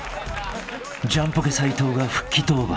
ジャンポケ斉藤が復帰登板］